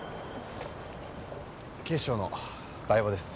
警視庁の台場です。